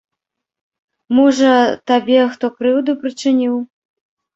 Можа, табе хто крыўду прычыніў?